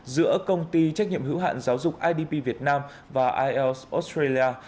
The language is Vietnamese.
giữa công ty trách nhiệm hữu hạn giáo dục idp việt nam và ielts australia